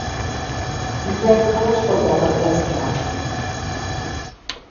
He played college football at Kutztown.